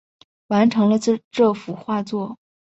完成了这幅画作